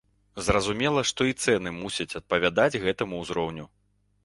Зразумела, што і цэны мусяць адпавядаць гэтаму ўзроўню.